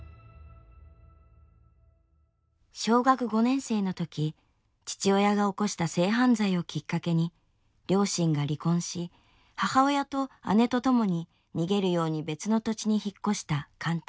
小学５年生の時父親が起こした性犯罪をきっかけに両親が離婚し母親と姉と共に逃げるように別の土地に引っ越した貫多。